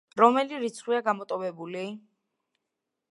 რომელი რიცხვია გამოტოვებული?